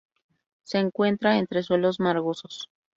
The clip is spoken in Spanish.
Se encuentra en suelos margosos.